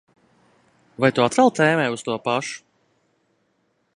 Vai tu atkal tēmē uz to pašu?